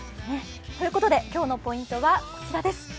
ということで今日のポイントはこちらです。